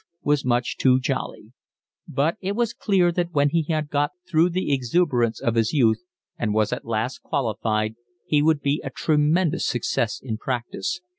Life was much too jolly. But it was clear that when he had got through the exuberance of his youth, and was at last qualified, he would be a tremendous success in practice.